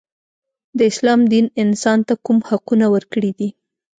د اسلام دین انسان ته کوم حقونه ورکړي دي.